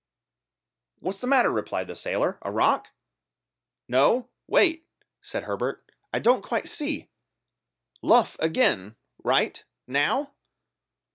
"What's the matter," replied the sailor, "a rock?" "No wait," said Herbert, "I don't quite see. Luff again right now."